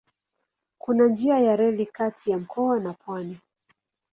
Kuna njia ya reli kati ya mkoa na pwani.